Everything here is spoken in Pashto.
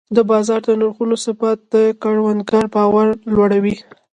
د بازار نرخونو ثبات د کروندګر باور لوړوي.